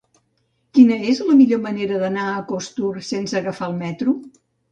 Quina és la millor manera d'anar a Costur sense agafar el metro?